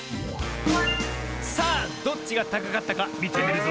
さあどっちがたかかったかみてみるぞ。